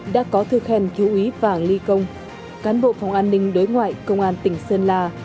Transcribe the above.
đã có thư khen thiếu úy vàng ly công cán bộ phòng an ninh đối ngoại công an tỉnh sơn la